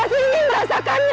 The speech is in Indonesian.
aku masih ingin merasakannya